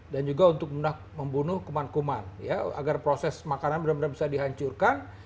dan juga untuk membunuh kuman kuman ya agar proses makanan benar benar bisa dihancurkan